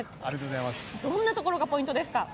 どんなところがポイントですか？